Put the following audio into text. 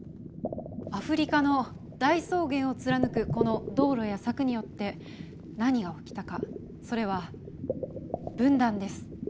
アフリカの大草原を貫くこの道路や柵によって何が起きたかそれは分断です。